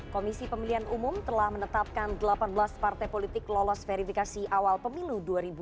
komisi pemilihan umum telah menetapkan delapan belas partai politik lolos verifikasi awal pemilu dua ribu sembilan belas